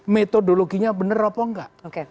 metodologinya benar apa enggak